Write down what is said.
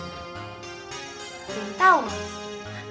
gak tau mams